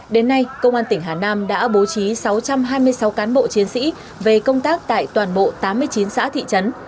đến nay công an tỉnh hà nam đã bố trí sáu trăm hai mươi sáu cán bộ chiến sĩ về công tác tại toàn bộ tám mươi chín xã thị trấn